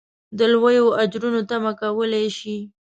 د لویو اجرونو تمه کولای شي.